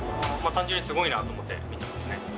単純にすごいなと思って見てますね。